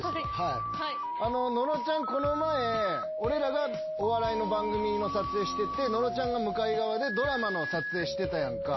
この前俺らがお笑いの番組の撮影してて野呂ちゃんが向かい側でドラマの撮影してたやんか。